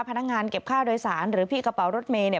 พนักงานเก็บค่าโดยสารหรือพี่กระเป๋ารถเมย์เนี่ย